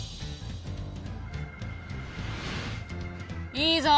いいぞ！